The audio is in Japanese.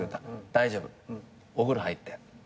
「大丈夫。お風呂入って」